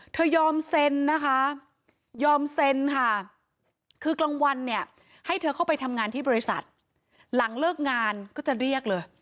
ยอมเซ็นนะคะยอมเซ็นค่ะคือกลางวันเนี่ยให้เธอเข้าไปทำงานที่บริษัทหลังเลิกงานก็จะเรียกเลย